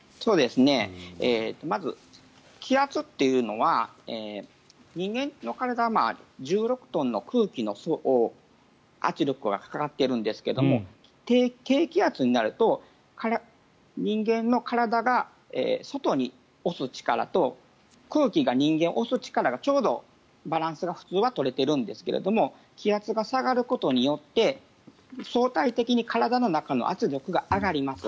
まず、気圧というのは人間の体は１６トンの空気の圧力がかかっているんですけれども低気圧になると人間の体が外に押す力と空気が人間を押す力がちょうどバランスが普通は取れているんですが気圧が下がることによって相対的に体の中の圧力が上がります。